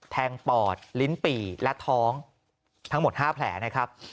ปอดลิ้นปี่และท้องทั้งหมด๕แผลนะครับ